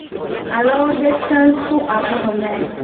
Alors, j’ai cinq sous à vous remettre…